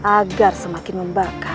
agar semakin membakar